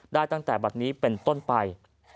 ได้ตั้งแต่บัตรนี้เป็นต้นไป